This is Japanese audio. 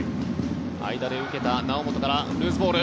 間で受けた猶本からルーズボール。